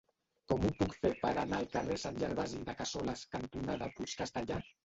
Com ho puc fer per anar al carrer Sant Gervasi de Cassoles cantonada Puig Castellar?